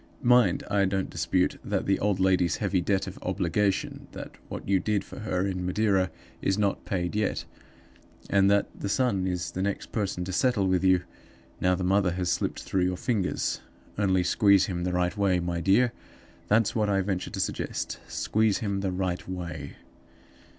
Mind, I don't dispute that the old lady's heavy debt of obligation, after what you did for her in Madeira, is not paid yet; and that the son is the next person to settle with you, now the mother has slipped through your fingers. Only squeeze him the right way, my dear, that's what I venture to suggest squeeze him the right way.